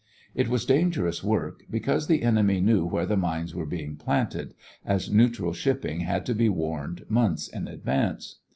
It was dangerous work, because the enemy knew where the mines were being planted, as neutral shipping had to be warned months in advance.